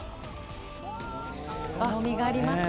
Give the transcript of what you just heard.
重みがありますね。